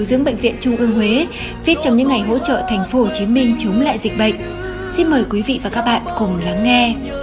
xin mời quý vị và các bạn cùng lắng nghe